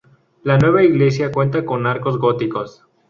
La nueva iglesia cuenta con arcos góticos.